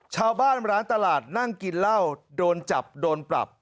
ชาวบ้านร้านตลาดนั่งกินเหล้าโดนจับโดนปรับ